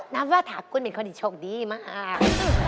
นับว่าถากุลเป็นคนที่โชคดีมาก